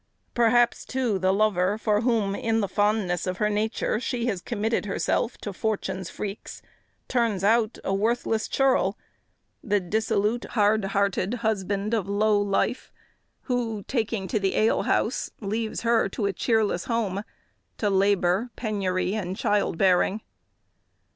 Perhaps, too, the lover, for whom, in the fondness of her nature, she has committed herself to fortune's freaks, turns out a worthless churl, the dissolute, hard hearted husband of low life; who, taking to the alehouse, leaves her to a cheerless home, to labour, penury, and child bearing.